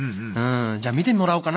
じゃあ見てもらおうかな。